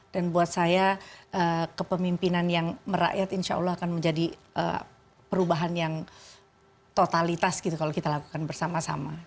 dan buat saya kepemimpinan yang merakyat insya allah akan menjadi perubahan yang totalitas gitu kalau kita lakukan bersama sama